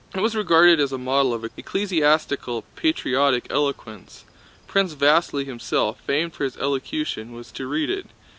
It was regarded as a model of ecclesiastical, patriotic eloquence. Prince Vasíli himself, famed for his elocution, was to read it.